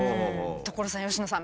所さん佳乃さん。